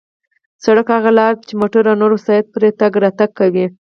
سړک هغه لار ده چې موټر او نور وسایط پرې تگ راتگ کوي.